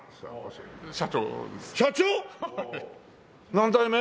何代目？